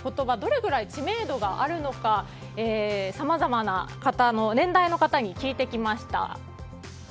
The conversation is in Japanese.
どのぐらい知名度があるのかさまざまな年代の方に聞いてきました。